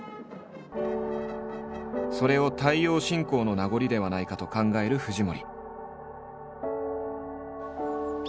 それを太陽信仰の名残ではないかと考える藤森。